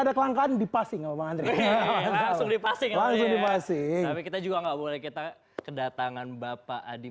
ada kelangkaan dipasing langsung dipasing pasing kita juga nggak boleh kita kedatangan bapak adi